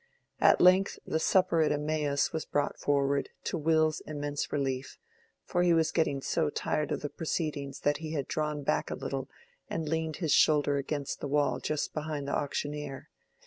At length the "Supper at Emmaus" was brought forward, to Will's immense relief, for he was getting so tired of the proceedings that he had drawn back a little and leaned his shoulder against the wall just behind the auctioneer.